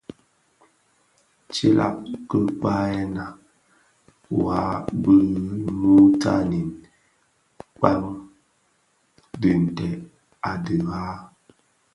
Tiilag ki kpaghèna wa bi mutanin kpäg dhi ntèd di dhaa.